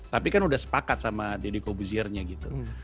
tapi kan udah sepakat sama deddy kobuziernya gitu